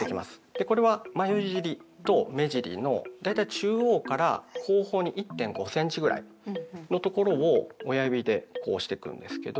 これは眉尻と目尻のだいたい中央から後方に１．５ｃｍぐらいのところを親指でこう押してくんですけど。